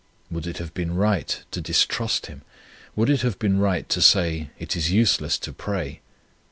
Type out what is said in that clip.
Would it have been right to distrust Him? Would it have been right to say, it is useless to pray?